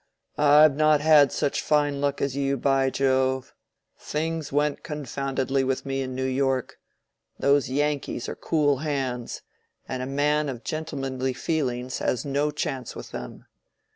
"I've not had such fine luck as you, by Jove! Things went confoundedly with me in New York; those Yankees are cool hands, and a man of gentlemanly feelings has no chance with them.